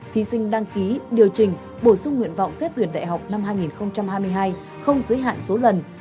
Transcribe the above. thí sinh đăng ký điều trình bổ sung nguyện vọng xét tuyển đại học năm hai nghìn hai mươi hai không giới hạn số lần